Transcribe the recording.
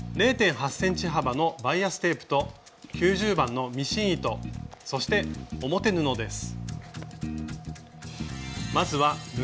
０．８ｃｍ幅のバイアステープと９０番のミシン糸そして表布です。